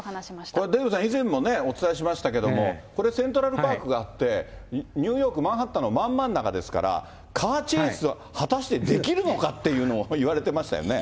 これ、デーブさん、以前もお伝えしましたけれども、これセントラルパークがあって、ニューヨーク・マンハッタンのまん真ん中ですから、カーチェイス、果たしてできるのかっていうのを言われてましたよね。